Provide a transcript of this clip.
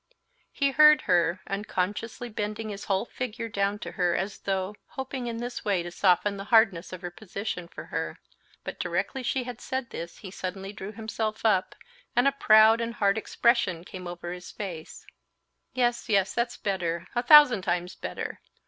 He heard her, unconsciously bending his whole figure down to her as though hoping in this way to soften the hardness of her position for her. But directly she had said this he suddenly drew himself up, and a proud and hard expression came over his face. "Yes, yes, that's better, a thousand times better!